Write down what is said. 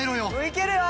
「いけるよ！」